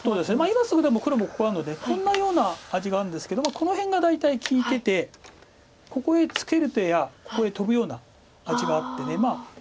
今すぐでも黒もここあるのでこんなような味があるんですけどもこの辺が大体利いててここへツケる手やここへトブような味があって。